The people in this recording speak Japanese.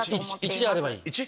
１あればいい？